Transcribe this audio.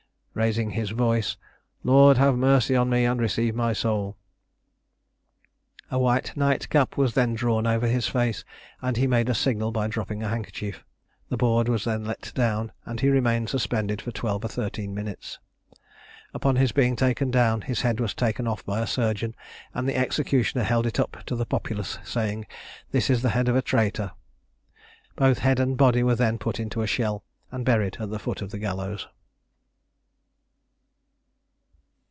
(Raising his voice.) Lord have mercy on me, and receive my soul." A white nightcap was then drawn over his face, and he made a signal by dropping a handkerchief. The board was then let down, and he remained suspended for twelve or thirteen minutes. Upon his being taken down, his head was taken off by a surgeon, and the executioner held it up to the populace, saying "This is the head of a traitor." Both head and body were then put into a shell, and buried at the foot of the gallows.